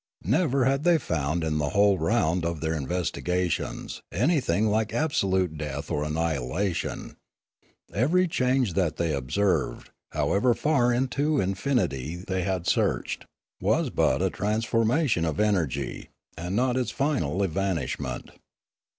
Never had they found in the whole round of their investigations anything like absolute death or annihilation; every change that they observed, however far into infinity they had searched, was but a transformation of energy, and not its final evanishment.